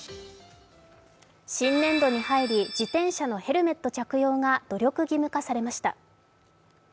新年度に入り、自転車のヘルメット着用が努力義務化されました。